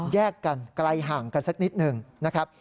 แยกกันไกลห่างกันสักนิดหนึ่งนะครับ